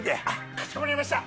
かしこまりました。